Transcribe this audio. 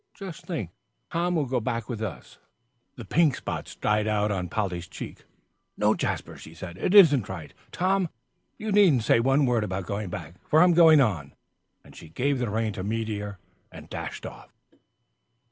Just think, Tom will go back with us." The pink spots died out on Polly's cheek. "No, Jasper," she said, "it isn't right. Tom, you needn't say one word about going back, for I am going on." She gave the rein to Meteor and dashed off.